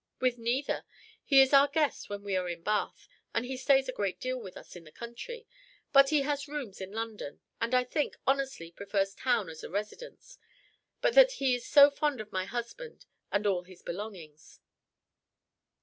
"With neither; he is our guest when we are in Bath, and he stays a great deal with us in the country; but he has rooms in London, and, I think, honestly prefers town as a residence, but that he is so fond of my husband and all his belongings."